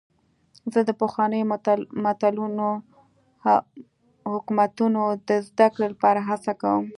زه د پخوانیو متلونو او حکمتونو د زدهکړې لپاره هڅه کوم.